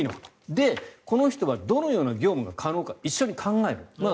で、この人はどのような業務が可能か一緒に考える。